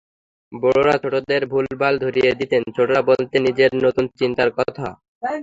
বড়রা ছোটদের ভুলভাল ধরিয়ে দিতেন, ছোটরা বলতেন নিজেদের নতুন চিন্তার কথা।